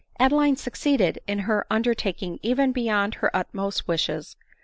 Adeline succeeded in her undertaking even beyond her utmost wishes.